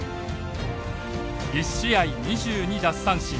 １試合２２奪三振。